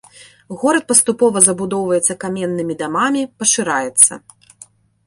Горад паступова забудоўваецца каменнымі дамамі, пашыраецца.